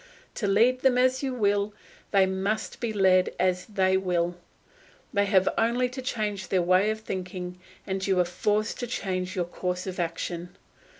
To lead them as you will, they must be led as they will. They have only to change their way of thinking and you are forced to change your course of action.